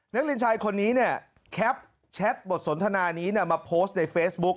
นักเรียนชายคนนี้เนี่ยแคปแชทบทสนทนานี้มาโพสต์ในเฟซบุ๊ค